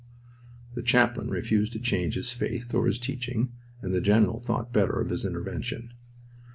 The chaplain refused to change his faith or his teaching, and the general thought better of his intervention.